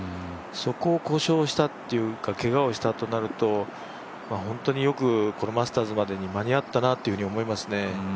そこを故障したというか、けがをしたとなると、本当によくこのマスターズまでに間に合ったなと思いますね。